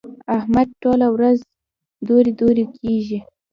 احمد ټوله ورځ دورې دورې کېږي.